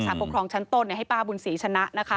ศาลปกครองชั้นต้นให้ป้าบุญศรีชนะ